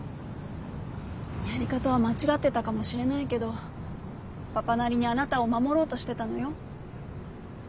やり方は間違ってたかもしれないけどパパなりにあなたを守ろうとしてたのよ。